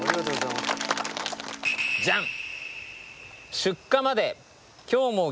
じゃん！